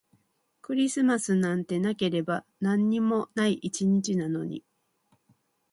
クリスマスなんてなければ何にもない一日なのに